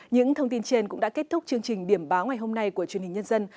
những thông tin trên cũng đã kết thúc chương trình điểm báo ngày hôm nay của truyền hình nhân dân